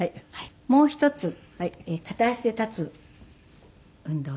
もう一つ片足で立つ運動です。